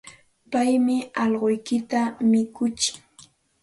Paymi allquykita mikutsin.